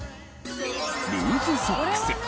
ルーズソックス。